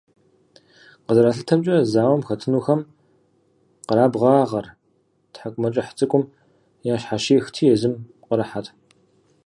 КъызэралъытэмкӀэ, зауэм хэтынухэм къэрабгъагъэр тхьэкӀумэкӀыхь цӀыкӀум ящхьэщихти езым пкъырыхьэт.